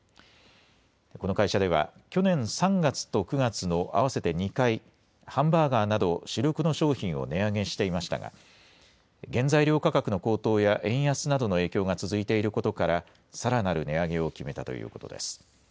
この会社では、去年３月と９月の合わせて２回、ハンバーガーなど主力の商品を値上げしていましたが、原材料価格の高騰や円安などの影響が続いていることから、さらなる値上げを決めたということです。